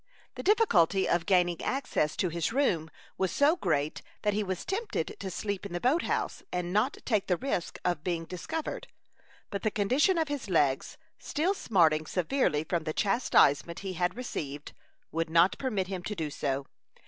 The difficulty of gaining access to his room was so great that he was tempted to sleep in the boat house, and not take the risk of being discovered; but the condition of his legs, still smarting severely from the chastisement he had received, would not permit him to do so.